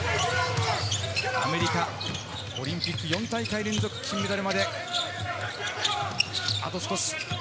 アメリカ、オリンピック４大会連続金メダルまであと少し。